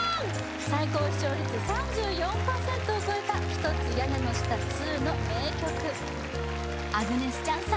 最高視聴率３４％を超えた「ひとつ屋根の下２」の名曲アグネス・チャンさん